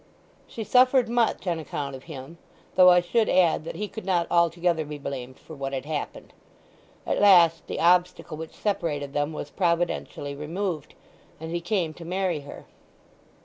"She suffered much on account of him; though I should add that he could not altogether be blamed for what had happened. At last the obstacle which separated them was providentially removed; and he came to marry her."